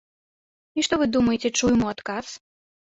І што вы думаеце чуем у адказ?